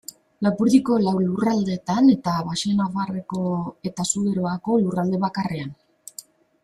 Lapurdiko lau lurraldetan, eta Baxenabarreko eta Zuberoako lurralde bakarrean.